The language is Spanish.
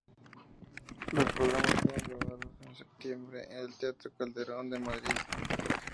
Los programas fueron grabados en septiembre en el Teatro Calderón de Madrid.